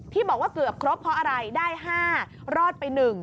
ที่บอกว่าเกือบครบเพราะอะไรได้๕รอดไป๑